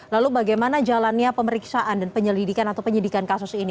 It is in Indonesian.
lalu bagaimana jalannya pemeriksaan dan penyelidikan atau penyidikan kasus ini